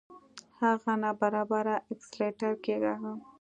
هغه ناببره اکسلېټر کېکاږه.